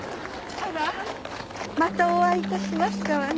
あらまたお会いいたしましたわね。